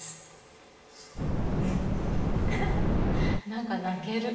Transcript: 何か泣ける。